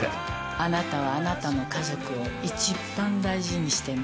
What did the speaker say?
あなたはあなたの家族をいちばん大事にしてね。